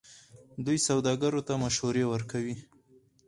دوی سوداګرو ته مشورې ورکوي.